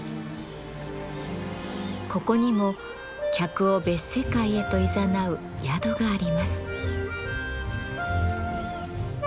ここにも客を別世界へといざなう宿があります。